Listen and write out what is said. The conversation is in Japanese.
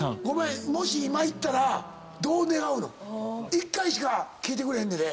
１回しか聞いてくれへんねんで。